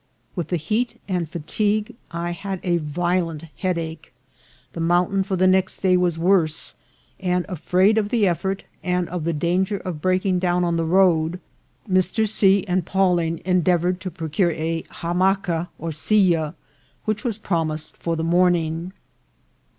With the heat and fatigue I had a violent headache. The mountain for the next day was worse, and, afraid of the effort, and of the danger of breaking down on the road, Mr. C. and Pawling endeavoured to procure a ham maca or silla, which was promised for the morning.